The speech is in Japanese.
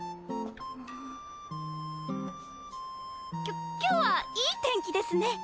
きょ今日はいい天気ですね。